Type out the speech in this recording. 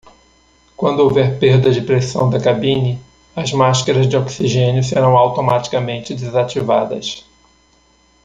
Quando houver perda de pressão da cabine?, as máscaras de oxigênio serão automaticamente desativadas.